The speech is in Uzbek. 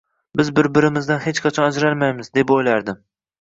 Biz bir-birimizdan hech qachon ajralmaymiz, deb o‘ylardim